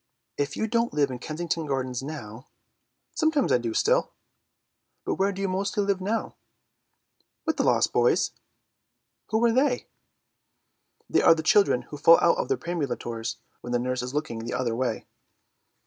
"If you don't live in Kensington Gardens now—" "Sometimes I do still." "But where do you live mostly now?" "With the lost boys." "Who are they?" "They are the children who fall out of their perambulators when the nurse is looking the other way.